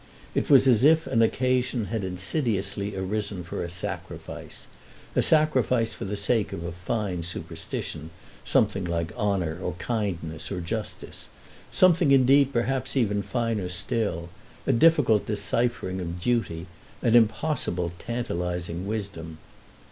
It was as if an occasion had insidiously arisen for a sacrifice—a sacrifice for the sake of a fine superstition, something like honour or kindness or justice, something indeed perhaps even finer still—a difficult deciphering of duty, an impossible tantalising wisdom.